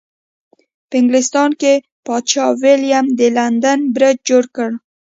په انګلستان کې پادشاه ویلیم د لندن برج جوړ کړ.